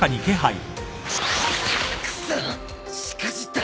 くそしくじった！